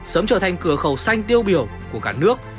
sớm trở thành cửa khẩu xanh tiêu biểu của cả nước